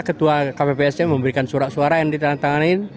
ketua kppsln memberikan surat suara yang ditandatangani